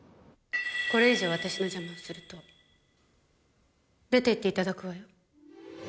これ以上私の邪魔をすると出ていっていただくわよ。